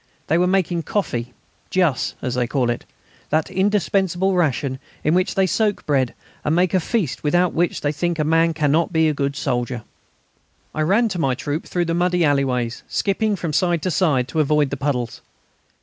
They were making coffee jus, as they call it that indispensable ration in which they soak bread and make a feast without which they think a man cannot be a good soldier. I ran to my troop through muddy alleys, skipping from side to side to avoid the puddles.